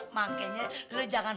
makanya lu jangan